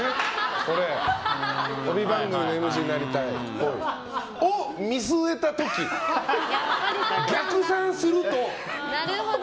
帯番組のＭＣになりたいを見据えた時逆算すると。